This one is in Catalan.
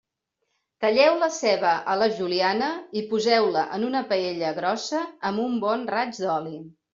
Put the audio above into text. Talleu la ceba a la juliana i poseu-la en una paella grossa amb un bon raig d'oli.